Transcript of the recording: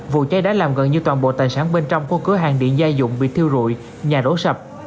vụ cháy đã làm gần như toàn bộ tài sản bên trong của cửa hàng điện gia dụng bị thiêu rụi nhà đổ sập